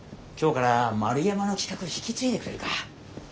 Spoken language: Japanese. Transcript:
今日から丸山の企画引き継いでくれるか。